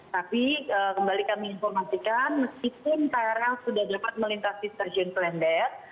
tapi kembali kami informasikan meskipun krl sudah dapat melintasi stasiun klender